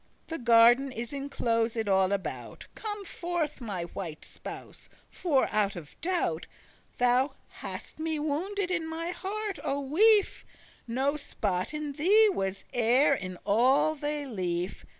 The garden is enclosed all about; Come forth, my white spouse; for, out of doubt, Thou hast me wounded in mine heart, O wife: No spot in thee was e'er in all thy life.